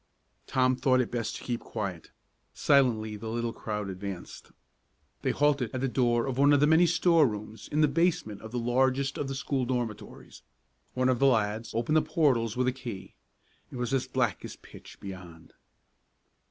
Tom thought it best to keep quiet. Silently the little crowd advanced. They halted at the door of one of the many store rooms in the basement of the largest of the school dormitories. One of the lads opened the portals with a key. It was as black as pitch beyond.